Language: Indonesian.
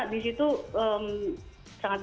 di situ sangat